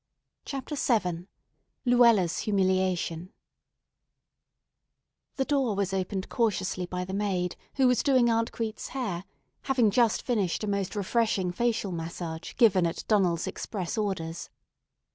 CHAPTER VII LUELLA'S HUMILIATION THE door was opened cautiously by the maid, who was "doing" Aunt Crete's hair, having just finished a most refreshing facial massage given at Donald's express orders.